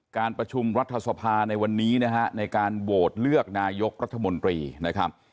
การประชุมรัฐสภาในวันนี้นะฮะในการโหวตเลือกนายกรัฐมนตรีนะครับ